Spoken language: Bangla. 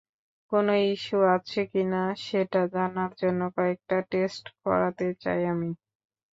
কোনও ইস্যু আছে কিনা সেটা জানার জন্য কয়েকটা টেস্ট করাতে চাই আমি।